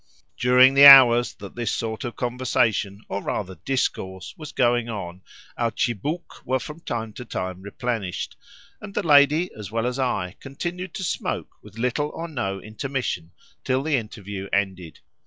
During the hours that this sort of conversation, or rather discourse, was going on our tchibouques were from time to time replenished, and the lady as well as I continued to smoke with little or no intermission till the interview ended.